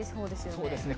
そうですね。